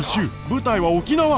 舞台は沖縄。